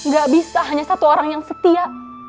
gak bisa hanya satu orang yang setia